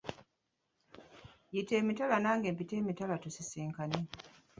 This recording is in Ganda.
Yita emitala nange mpite emitala tusisinkane.